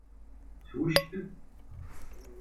Swectel.